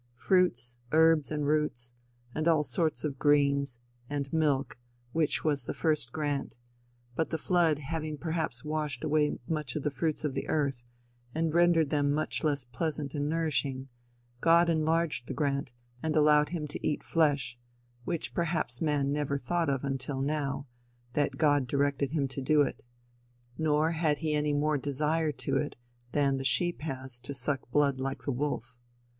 Fruits, herbs and roots, and all sorts of greens, and milk, which was the first grant; but the flood having perhaps washed away much of the fruits of the earth, and rendered them much less pleasant and nourishing, God enlarged the grant and allowed him to eat flesh, which perhaps man never thought of until now, that God directed him to it. Nor had he any more desire to it than the sheep has to suck blood like the wolf.